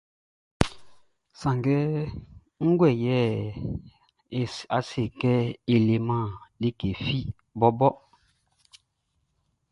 Sanngɛ ngue yɛ e waan é sé kɛ e leman like fi bɔbɔ ɔ?